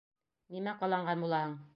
Нимә ҡыланған булаһың?